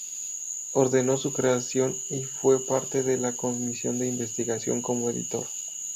Ordenó su creación y fue parte de la comisión de investigación como editor.